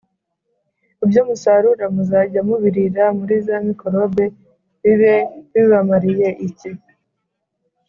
Ibyo musarura muzajya mubirira muri za mikorobe bibe bibamariye iki?